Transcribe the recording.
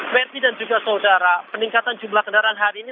verti dan juga saudara peningkatan jumlah kendaraan hari ini